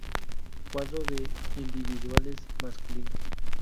Cuadro de Individuales masculinos